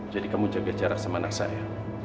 kamu jaga jarak sama anak saya